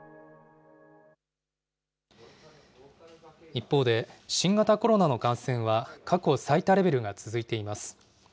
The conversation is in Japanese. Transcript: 一方で、新型コロナの感染は過去最多レベルが続いています。